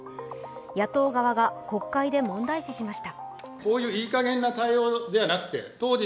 野党側が国会で問題視しました。